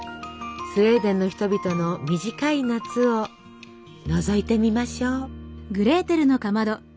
スウェーデンの人々の短い夏をのぞいてみましょう。